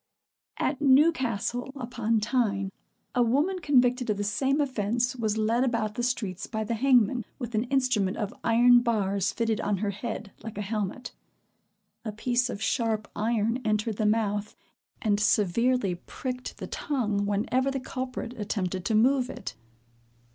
At Newcastle upon Tyne, a woman convicted of the same offence was led about the streets by the hangman, with an instrument of iron bars fitted on her head, like a helmet. A piece of sharp iron entered the mouth, and severely pricked the tongue whenever the culprit attempted to move it.